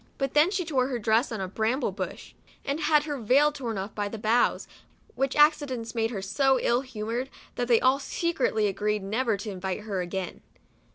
But then she tore her dress on a bramble bush, and had her veil torn off by the boughs, which accidents made her so ill humored, that they all secretly agreed never to invite her again.